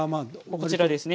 こちらですね。